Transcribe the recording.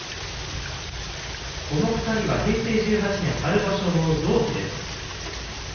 この２人は平成１８年春場所同期です。